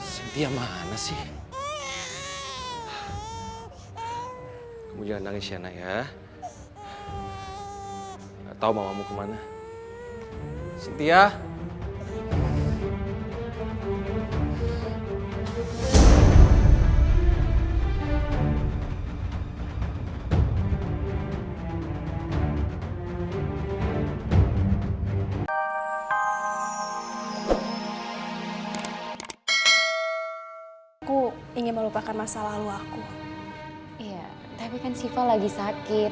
sampai jumpa di video selanjutnya